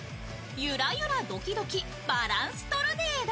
「ゆらゆらドキドキバランストルネード」